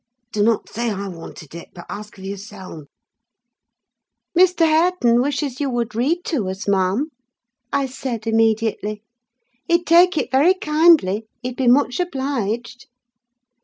Dunnot say I wanted it, but ask of yourseln.' "'Mr. Hareton wishes you would read to us, ma'am,' I said, immediately. 'He'd take it very kind—he'd be much obliged.